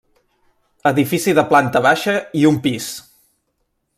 Edifici de planta baixa i un pis.